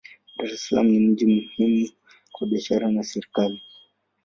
Dar es Salaam ni mji muhimu kwa biashara na serikali.